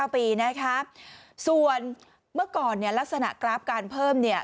ปีนะคะส่วนเมื่อก่อนเนี่ยลักษณะกราฟการเพิ่มเนี่ย